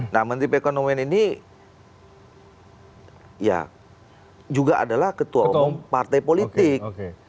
nah menteri perekonomian ini ya juga adalah ketua umum partai politik